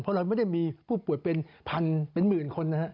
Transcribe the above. เพราะเราไม่ได้มีผู้ป่วยเป็นพันเป็นหมื่นคนนะฮะ